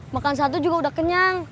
makan sate juga udah kenyang